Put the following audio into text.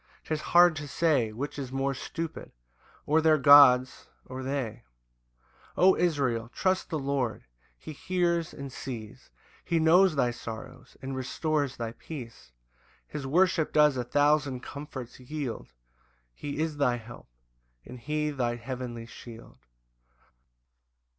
'Tis hard to say Which is more stupid, or their gods or they: O Israel, trust the Lord, he hears and sees, He knows thy sorrows, and restores thy peace: His worship does a thousand comforts yield, He is thy help, and he thy heavenly shield.